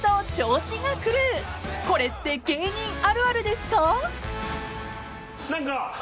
［これって芸人あるあるですか？］